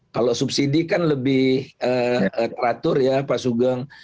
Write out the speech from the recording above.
kalau subsidi kan lebih teratur ya pak sugeng